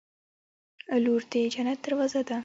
• لور د جنت دروازه ده.